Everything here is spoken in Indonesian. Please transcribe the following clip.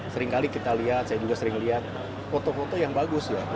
seringkali kita lihat saya juga sering lihat foto foto yang bagus ya